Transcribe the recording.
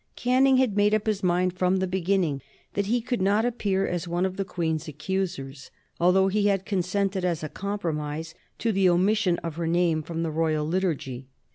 Canning had made up his mind from the beginning that he could not appear as one of the Queen's accusers, although he had consented, as a compromise, to the omission of her name from the Royal Liturgy.